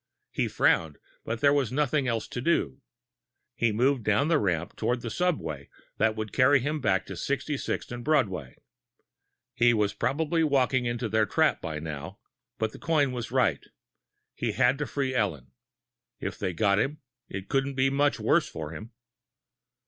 He frowned, but there was nothing else to do. He moved down the ramp toward the subway that would carry him back to Sixty sixth and Broadway. He was probably walking into their trap by now, but the coin was right. He had to free Ellen. If they got him, it couldn't be much worse for him.